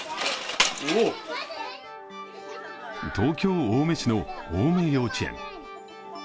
東京・青梅市の青梅幼稚園。